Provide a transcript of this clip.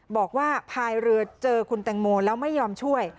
บอกว่าพายเรือเจอคุณตังหมูแล้วไม่ยอมช่วย